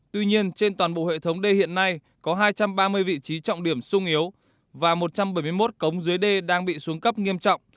tuy nhiên trên toàn bộ hệ thống đê hiện nay có hai trăm ba mươi vị trí trọng điểm sung yếu và một trăm bảy mươi một cống dưới đê đang bị xuống cấp nghiêm trọng